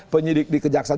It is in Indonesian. penyidik di kejaksaan